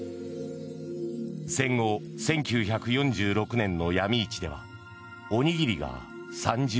戦後１９４６年のヤミ市ではおにぎりが３０円。